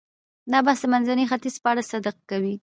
دا بحث د منځني ختیځ په اړه صدق کوي.